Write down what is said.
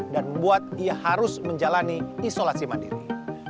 dan membuat ia harus menjalani isolasi mandiri